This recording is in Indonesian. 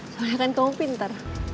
soalnya kan kamu pintar